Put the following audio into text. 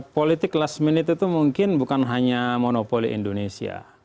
politik last minute itu mungkin bukan hanya monopoli indonesia